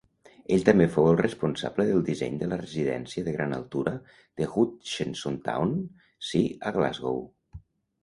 Ell també fou el responsable del disseny de la residència de gran altura d'Hutchesontown C a Glasgow.